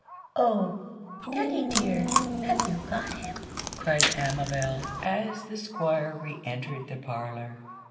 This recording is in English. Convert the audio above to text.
"Oh, daddy dear! have you got him?" cried Amabel, as the Squire re entered the parlor.